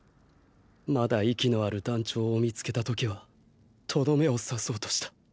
まだ息のある団長を見つけた時はとどめを刺そうとした。